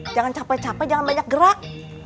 jangan capek capek jangan banyak gerak